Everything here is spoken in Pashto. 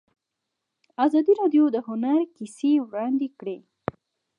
ازادي راډیو د هنر کیسې وړاندې کړي.